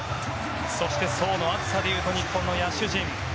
そして、層の厚さでいうと日本の野手陣。